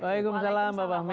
wa'alaikumsalam pak afahmi